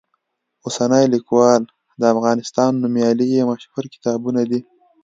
اوسنی لیکوال، د افغانستان نومیالي یې مشهور کتابونه دي.